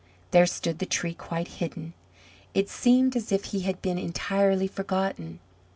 There stood the Tree quite hidden; it seemed as if he had been entirely forgotten.